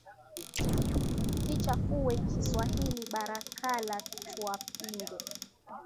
Sichafue kiswahili, barakala tuwapinge,